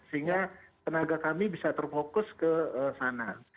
sehingga tenaga kami bisa terfokus ke sana